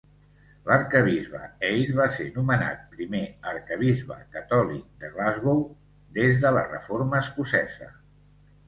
L'arquebisbe Eyre va ser nomenat primer arquebisbe catòlic de Glasgow des de la Reforma escocesa.